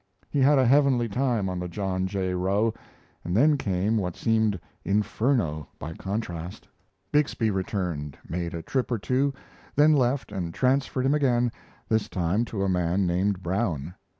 He had a heavenly time on the John J. Roe, and then came what seemed inferno by contrast. Bixby returned, made a trip or two, then left and transferred him again, this time to a man named Brown.